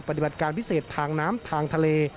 ปฏิบัติการพิเศษทางน้ำทางทะเล